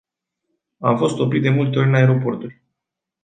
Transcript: Am fost oprit de multe ori în aeroporturi.